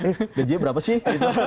eh gajinya berapa sih